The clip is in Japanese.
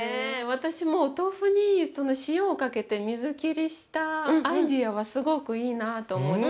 私もお豆腐に塩をかけて水切りしたアイデアはすごくいいなと思って。